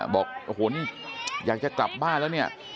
บอกโอ้โหนี่อยากจะกลับบ้านแล้วเนี่ย